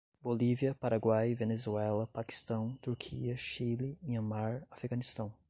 Bolívia, Paraguai, Venezuela, Paquistão, Turquia, Chile, Myanmar, Afeganistão